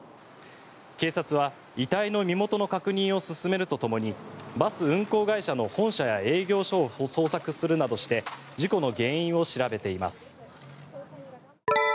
警察は、遺体の身元の確認を進めるとともにバス運行会社の本社や営業所を捜索するなどして事故の原因を調べています。